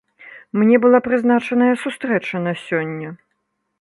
Мне была прызначаная сустрэча на сёння.